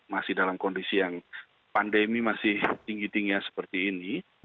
masih dalam kondisi yang pandemi masih tinggi tingginya seperti ini